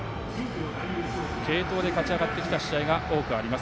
継投で勝ち上がってきた試合が多くあります